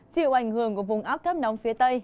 chịu ảnh hưởng của vùng áp thấp nóng phía tây